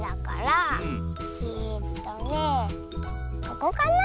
ここかな。